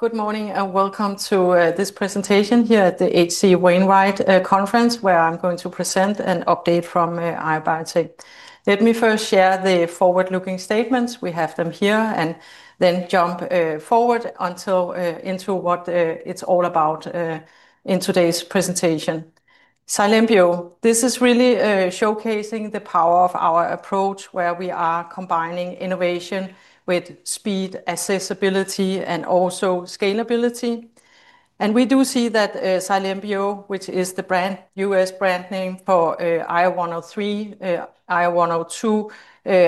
Good morning and welcome to this presentation here at the HC Wainwright conference, where I'm going to present an update from IO Biotech. Let me first share the forward-looking statements. We have them here, and then jump forward into what it's all about in today's presentation. SilentBio™, this is really showcasing the power of our approach, where we are combining innovation with speed, accessibility, and also scalability. We do see that SilentBio™, which is the US brand name for IO102 and IO103,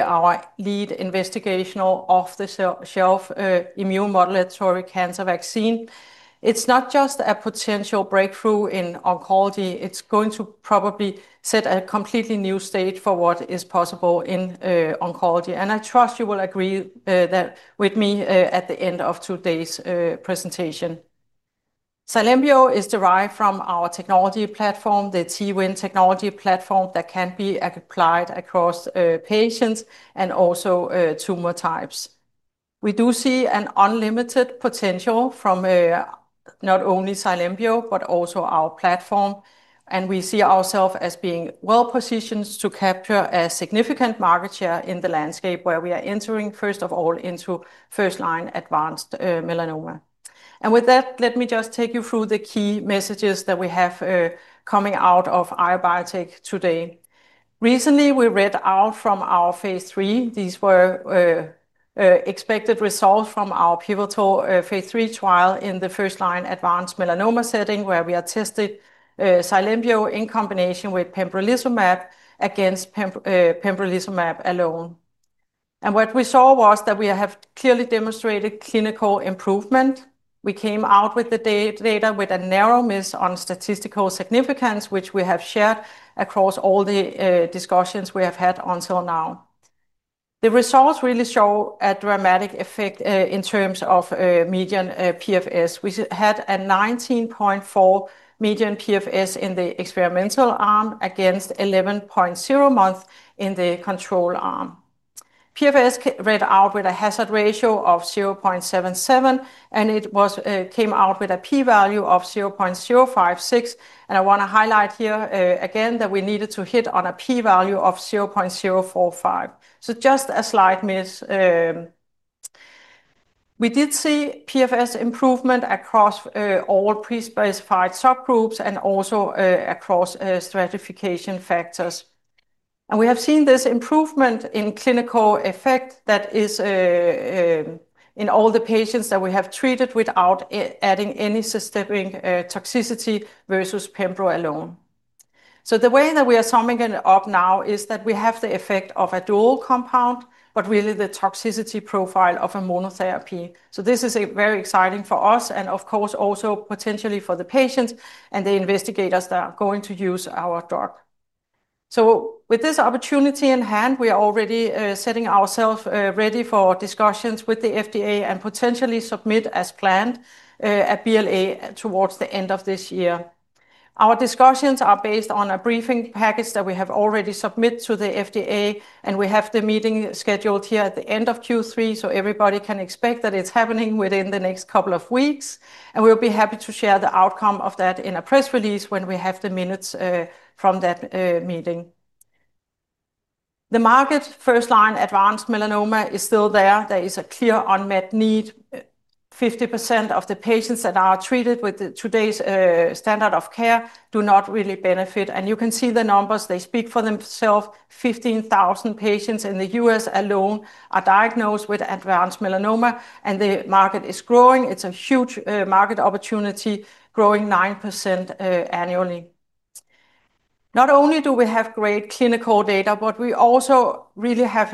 our lead investigational off-the-shelf immune modulatory cancer vaccine, is not just a potential breakthrough in oncology. It's going to probably set a completely new stage for what is possible in oncology. I trust you will agree with me at the end of today's presentation. SilentBio™ is derived from our technology platform, the T-win® Technology Platform, that can be applied across patients and also tumor types. We do see an unlimited potential from not only SilentBio™, but also our platform. We see ourselves as being well-positioned to capture a significant market share in the landscape where we are entering, first of all, into first-line advanced melanoma. With that, let me just take you through the key messages that we have coming out of IO Biotech today. Recently, we read out from our Phase 3. These were expected results from our pivotal Phase 3 trial in the first-line advanced melanoma setting, where we tested SilentBio™ in combination with pembrolizumab against pembrolizumab alone. What we saw was that we have clearly demonstrated clinical improvement. We came out with the data with a narrow miss on statistical significance, which we have shared across all the discussions we have had until now. The results really show a dramatic effect in terms of median progression-free survival (PFS). We had a 19.4 median PFS in the experimental arm against 11.0 months in the control arm. PFS read out with a hazard ratio of 0.77, and it came out with a p-value of 0.056. I want to highlight here again that we needed to hit on a p-value of 0.045, so just a slight miss. We did see PFS improvement across all pre-specified subgroups and also across stratification factors. We have seen this improvement in clinical effect that is in all the patients that we have treated without adding any systemic toxicity versus pembrolizumab alone. The way that we are summing it up now is that we have the effect of a dual compound, but really the toxicity profile of a monotherapy. This is very exciting for us, and of course, also potentially for the patients and the investigators that are going to use our drug. With this opportunity in hand, we are already setting ourselves ready for discussions with the FDA and potentially submit, as planned, a BLA towards the end of this year. Our discussions are based on a briefing package that we have already submitted to the FDA. We have the meeting scheduled here at the end of Q3, so everybody can expect that it's happening within the next couple of weeks. We'll be happy to share the outcome of that in a press release when we have the minutes from that meeting. The market for first-line advanced melanoma is still there. There is a clear unmet need. 50% of the patients that are treated with today's standard of care do not really benefit. You can see the numbers. They speak for themselves. 15,000 patients in the US alone are diagnosed with advanced melanoma, and the market is growing. It's a huge market opportunity, growing 9% annually. Not only do we have great clinical data, but we also really have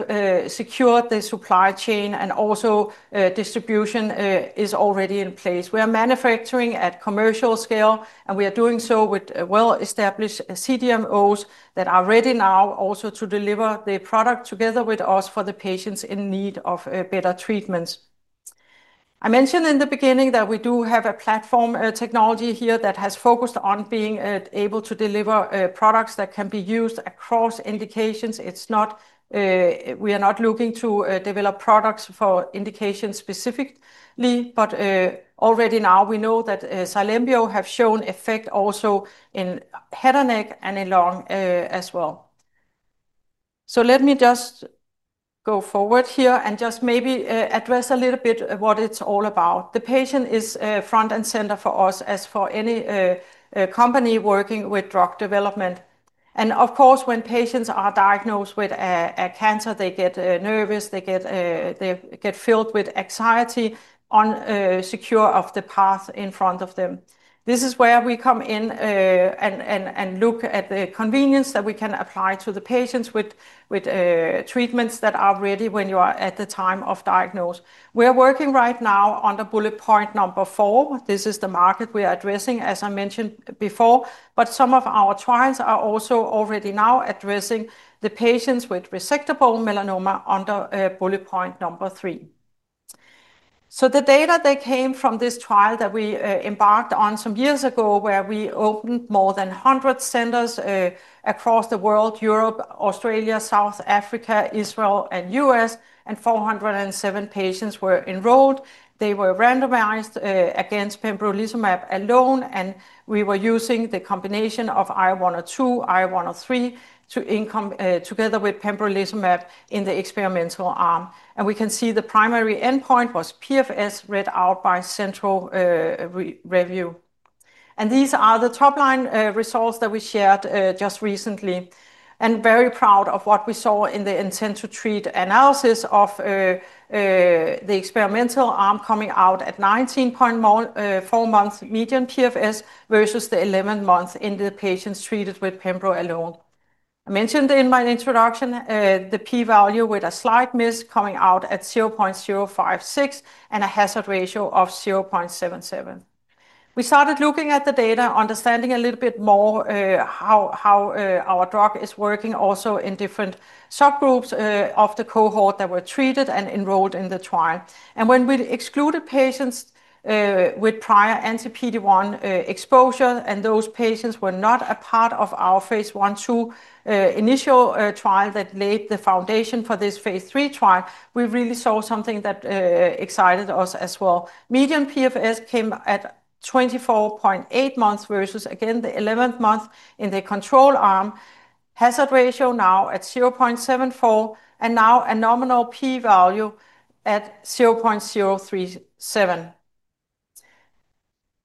secured the supply chain, and also distribution is already in place. We are manufacturing at commercial scale, and we are doing so with well-established CDMOs that are ready now also to deliver the product together with us for the patients in need of better treatments. I mentioned in the beginning that we do have a platform technology here that has focused on being able to deliver products that can be used across indications. We are not looking to develop products for indications specifically, but already now we know that SilentBio™ has shown effect also in head and neck and lung as well. Let me just go forward here and maybe address a little bit what it's all about. The patient is front and center for us, as for any company working with drug development. Of course, when patients are diagnosed with a cancer, they get nervous. They get filled with anxiety on securing the path in front of them. This is where we come in and look at the convenience that we can apply to the patients with treatments that are ready when you are at the time of diagnosis. We're working right now under bullet point number four. This is the market we are addressing, as I mentioned before. Some of our trials are also already now addressing the patients with resectable melanoma under bullet point number three. The data that came from this trial that we embarked on some years ago, where we opened more than 100 centers across the world: Europe, Australia, South Africa, Israel, and US, and 407 patients were enrolled. They were randomized against pembrolizumab alone, and we were using the combination of IO102 and IO103 together with pembrolizumab in the experimental arm. We can see the primary endpoint was PFS read out by central review. These are the top-line results that we shared just recently. Very proud of what we saw in the intent to treat analysis of the experimental arm coming out at 19.4 months median PFS versus the 11 months in the patients treated with pembrolizumab alone. I mentioned in my introduction the p-value with a slight miss coming out at 0.056 and a hazard ratio of 0.77. We started looking at the data, understanding a little bit more how our drug is working also in different subgroups of the cohort that were treated and enrolled in the trial. When we excluded patients with prior anti-PD-1 exposure, and those patients were not a part of our phase one to initial trial that laid the foundation for this phase 3 trial, we really saw something that excited us as well. Median PFS came at 24.8 months versus, again, the 11 months in the control arm, hazard ratio now at 0.74, and now a nominal p-value at 0.037.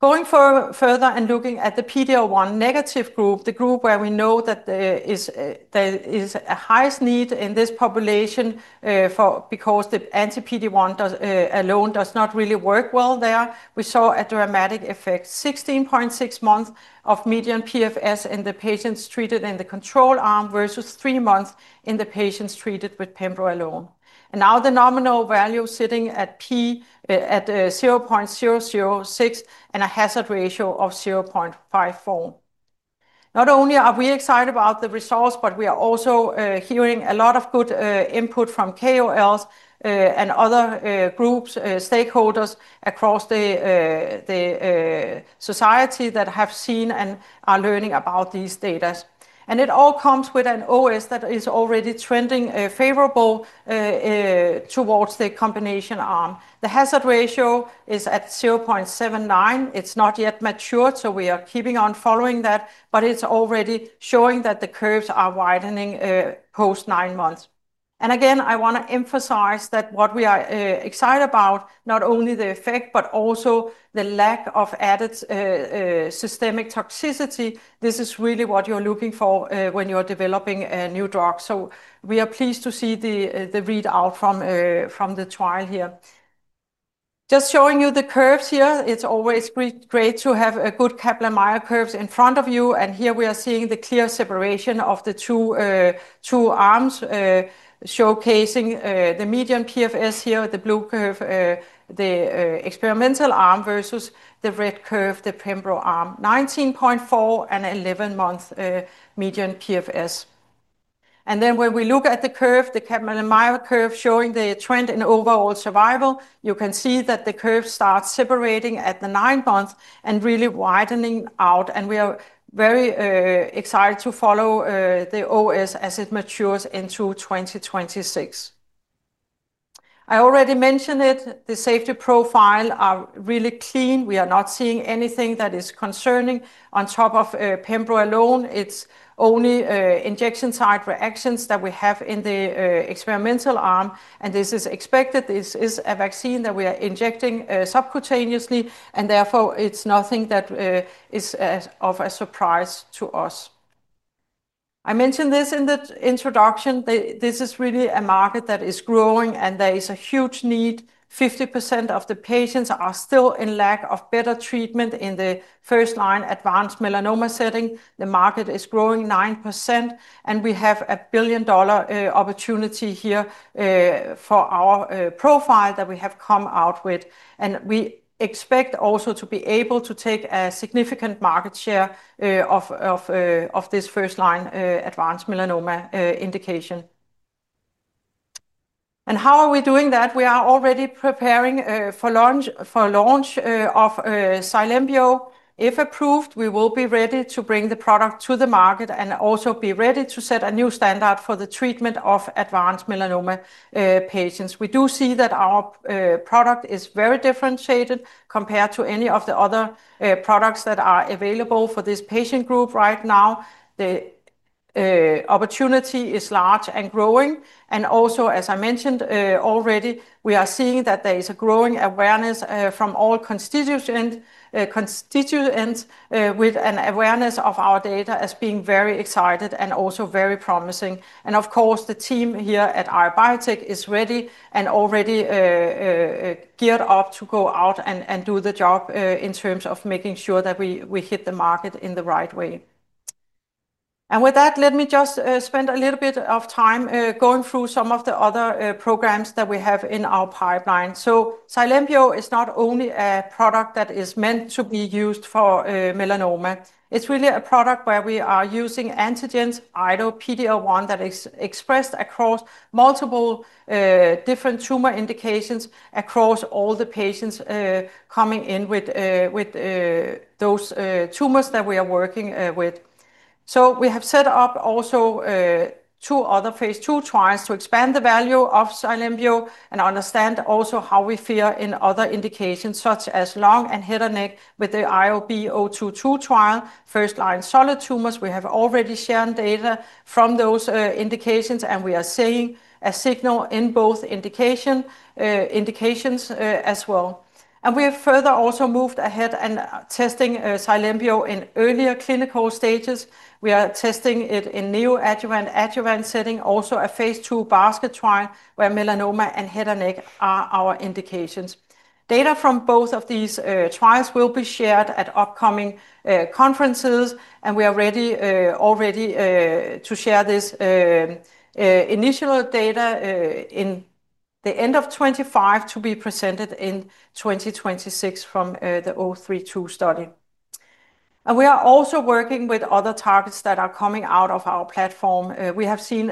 Going further and looking at the PD-L1 negative group, the group where we know that there is a highest need in this population because the anti-PD-1 alone does not really work well there, we saw a dramatic effect. 16.6 months of median PFS in the patients treated in the control arm versus three months in the patients treated with pembrolizumab alone. Now the nominal value sitting at 0.006 and a hazard ratio of 0.54. Not only are we excited about the results, we are also hearing a lot of good input from KOLs and other groups, stakeholders across the society that have seen and are learning about these data. It all comes with an OS that is already trending favorable towards the combination arm. The hazard ratio is at 0.79. It's not yet matured, we are keeping on following that, but it's already showing that the curves are widening post nine months. I want to emphasize that what we are excited about is not only the effect, but also the lack of added systemic toxicity. This is really what you're looking for when you're developing a new drug. We are pleased to see the readout from the trial here. Just showing you the curves here, it's always great to have a good Kaplan-Meier curve in front of you. Here we are seeing the clear separation of the two arms, showcasing the median PFS here, the blue curve, the experimental arm versus the red curve, the pembrolizumab arm: 19.4 and 11 months median PFS. When we look at the curve, the Kaplan-Meier curve showing the trend in overall survival, you can see that the curve starts separating at the nine months and really widening out. We are very excited to follow the OS as it matures into 2026. I already mentioned it. The safety profiles are really clean. We are not seeing anything that is concerning. On top of pembrolizumab alone, it's only injection site reactions that we have in the experimental arm. This is expected. This is a vaccine that we are injecting subcutaneously, and therefore, it's nothing that is of a surprise to us. I mentioned this in the introduction. This is really a market that is growing, and there is a huge need. 50% of the patients are still in lack of better treatment in the first-line advanced melanoma setting. The market is growing 9%, and we have a billion-dollar opportunity here for our profile that we have come out with. We expect also to be able to take a significant market share of this first-line advanced melanoma indication. How are we doing that? We are already preparing for launch of SilentBio™. If approved, we will be ready to bring the product to the market and also be ready to set a new standard for the treatment of advanced melanoma patients. We do see that our product is very differentiated compared to any of the other products that are available for this patient group right now. The opportunity is large and growing. As I mentioned already, we are seeing that there is a growing awareness from all constituents with an awareness of our data as being very excited and also very promising. Of course, the team here at IO Biotech is ready and already geared up to go out and do the job in terms of making sure that we hit the market in the right way. With that, let me just spend a little bit of time going through some of the other programs that we have in our pipeline. SilentBio™ is not only a product that is meant to be used for melanoma. It's really a product where we are using antigens IO PD-L1 that is expressed across multiple different tumor indications across all the patients coming in with those tumors that we are working with. We have set up also two other Phase 2 trials to expand the value of SilentBio™ and understand also how we feel in other indications such as lung and head and neck with the IO BO22 trial. First-line solid tumors, we have already shown data from those indications, and we are seeing a signal in both indications as well. We have further also moved ahead and testing SilentBio™ in earlier clinical stages. We are testing it in neoadjuvant adjuvant setting, also a Phase 2 basket trial where melanoma and head and neck are our indications. Data from both of these trials will be shared at upcoming conferences, and we are ready already to share this initial data in the end of 2025 to be presented in 2026 from the O32 study. We are also working with other targets that are coming out of our platform. We have seen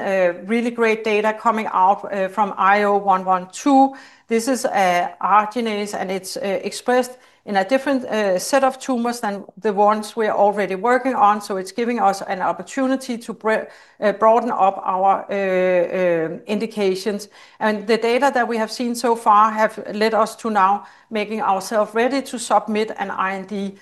really great data coming out from IO112. This is an arginase and it's expressed in a different set of tumors than the ones we are already working on. It's giving us an opportunity to broaden up our indications. The data that we have seen so far have led us to now making ourselves ready to submit an IND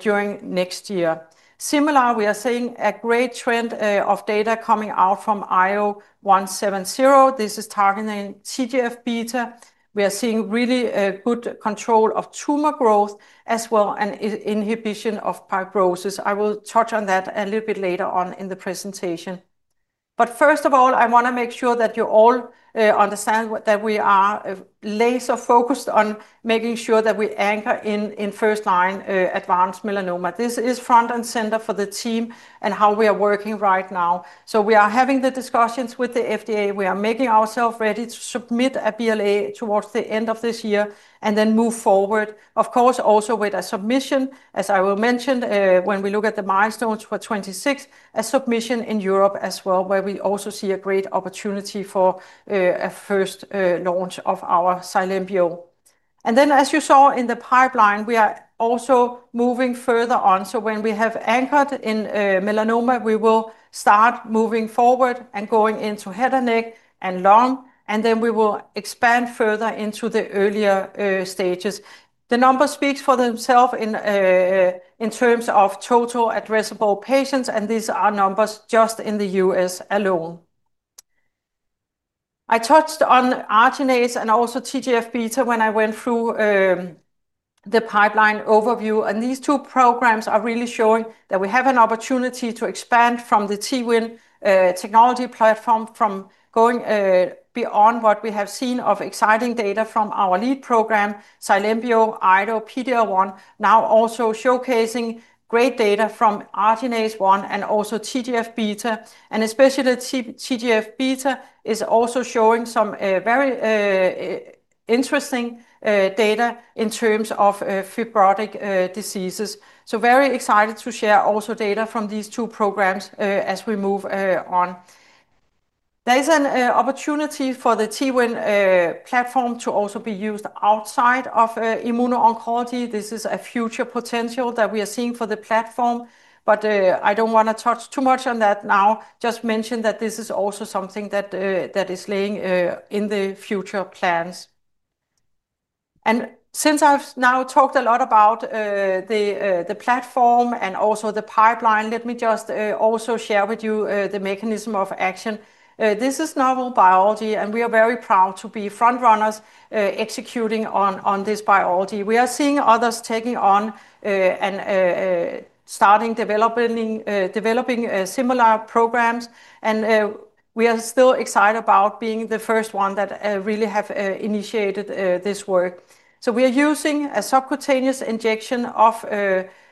during next year. Similar, we are seeing a great trend of data coming out from IO170. This is targeting TGF-beta. We are seeing really good control of tumor growth as well as inhibition of fibrosis. I will touch on that a little bit later on in the presentation. First of all, I want to make sure that you all understand that we are laser-focused on making sure that we anchor in first-line advanced melanoma. This is front and center for the team and how we are working right now. We are having the discussions with the FDA. We are making ourselves ready to submit a BLA towards the end of this year and then move forward. Of course, also with a submission, as I will mention, when we look at the milestones for 2026, a submission in Europe as well, where we also see a great opportunity for a first launch of our SilentBio™. As you saw in the pipeline, we are also moving further on. When we have anchored in melanoma, we will start moving forward and going into head and neck and lung, and then we will expand further into the earlier stages. The numbers speak for themselves in terms of total addressable patients, and these are numbers just in the U.S. alone. I touched on arginase and also TGF-beta when I went through the pipeline overview. These two programs are really showing that we have an opportunity to expand from the T-win® Technology Platform, from going beyond what we have seen of exciting data from our lead program, SilentBio™, IO PD-L1, now also showcasing great data from arginase-1 and also TGF-beta. Especially TGF-beta is also showing some very interesting data in terms of fibrotic diseases. Very excited to share also data from these two programs as we move on. There is an opportunity for the T-win® Platform to also be used outside of immuno-oncology. This is a future potential that we are seeing for the platform, but I don't want to touch too much on that now. Just mentioned that this is also something that is laying in the future plans. Since I've now talked a lot about the platform and also the pipeline, let me just also share with you the mechanism of action. This is novel biology, and we are very proud to be frontrunners executing on this biology. We are seeing others taking on and starting developing similar programs. We are still excited about being the first one that really has initiated this work. We are using a subcutaneous injection of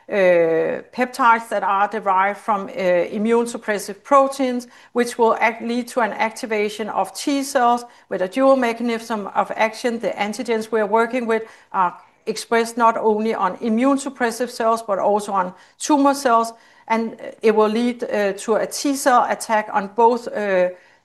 peptides that are derived from immune suppressive proteins, which will lead to an activation of T cells with a dual mechanism of action. The antigens we are working with are expressed not only on immune suppressive cells, but also on tumor cells. It will lead to a T cell attack on both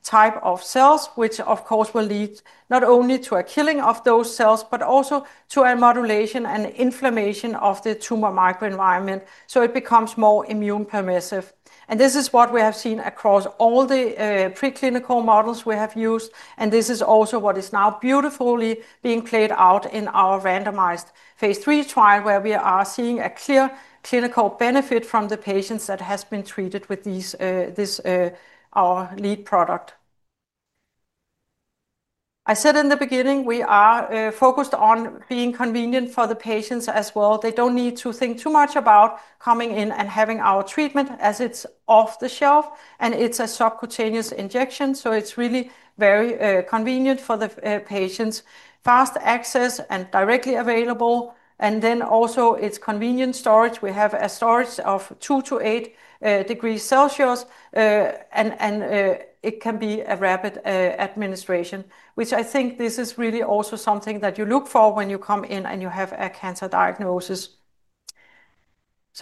types of cells, which, of course, will lead not only to a killing of those cells, but also to a modulation and inflammation of the tumor microenvironment. It becomes more immune permissive. This is what we have seen across all the preclinical models we have used. This is also what is now beautifully being played out in our randomized Phase 3 trial, where we are seeing a clear clinical benefit from the patients that have been treated with our lead product. I said in the beginning, we are focused on being convenient for the patients as well. They don't need to think too much about coming in and having our treatment, as it's off the shelf and it's a subcutaneous injection. It's really very convenient for the patients, fast access, and directly available. Also, it's convenient storage. We have a storage of two to eight degrees Celsius, and it can be a rapid administration, which I think is really also something that you look for when you come in and you have a cancer diagnosis.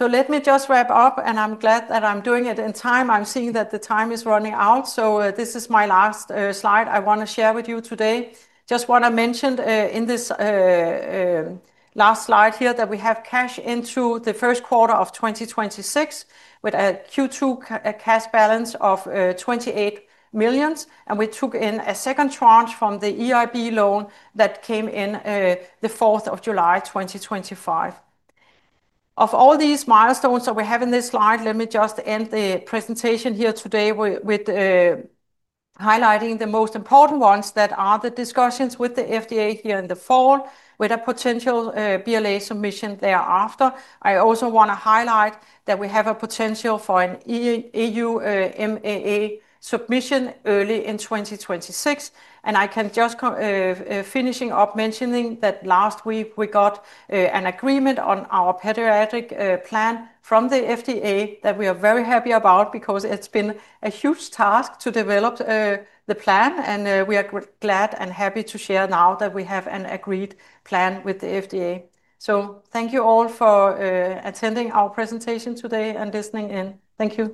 Let me just wrap up, and I'm glad that I'm doing it in time. I'm seeing that the time is running out. This is my last slide I want to share with you today. I just want to mention in this last slide here that we have cash into the first quarter of 2026 with a Q2 cash balance of $28 million. We took in a second tranche from the European Investment Bank loan that came in the 4th of July, 2025. Of all these milestones that we have in this slide, let me just end the presentation here today with highlighting the most important ones that are the discussions with the FDA here in the fall with a potential BLA submission thereafter. I also want to highlight that we have a potential for an EU MAA submission early in 2026. I can just finish up mentioning that last week we got an agreement on our pediatric development plan from the FDA that we are very happy about because it's been a huge task to develop the plan. We are glad and happy to share now that we have an agreed plan with the FDA. Thank you all for attending our presentation today and listening in. Thank you.